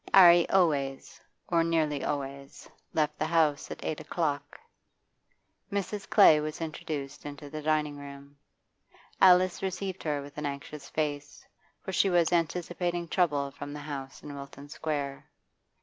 'Arry always or nearly always left the house at eight o'clock. Mrs. Clay was introduced into the dining room. Alice received her with an anxious face, for she was anticipating trouble from the house in Wilton Square.